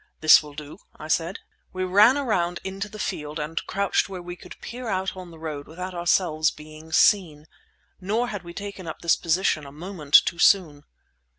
"This will do!" I said. We ran around into the field, and crouched where we could peer out on the road without ourselves being seen. Nor had we taken up this position a moment too soon.